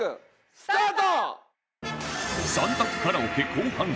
スタート！